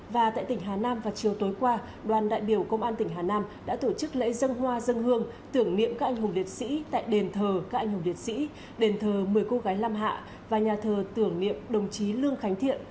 và tại tỉnh hà nam vào chiều tối qua đoàn đại biểu công an tỉnh hà nam đã tổ chức lễ dân hoa dân hương tưởng niệm các anh hùng liệt sĩ tại đền thờ các anh hùng liệt sĩ đền thờ một mươi cô gái lam hạ và nhà thờ tưởng niệm đồng chí lương khánh thiện